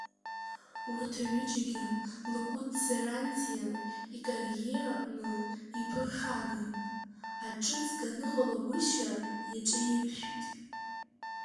Урҭ аҩыџьегьы Лакәыт Зарандиа икариераҟны иԥырхаган, аҽыҵга аныҟалагәышьа иаҿаиршәит…